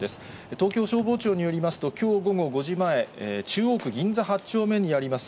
東京消防庁によりますと、きょう午後５時前、中央区銀座８丁目にあります